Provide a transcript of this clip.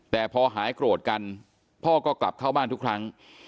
แต่พอหายโกรธกันพ่อก็กลับเข้าบ้านทุกครั้ง